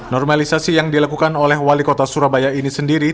normalisasi yang dilakukan oleh wali kota surabaya ini sendiri